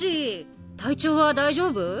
体調は大丈夫？